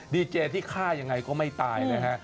ดีเจที่ฆ่ายังไงก็ไม่ตายนะฮะ